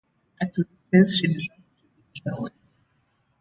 Atli says she deserves to be killed.